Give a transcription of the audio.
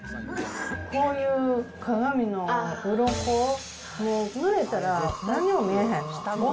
こういう鏡のウロコ、ぬれたら何も見えへんの。